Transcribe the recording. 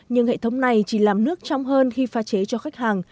nhưng hệ thống này chỉ làm nước trong hơn khi pha chế cho khách hàng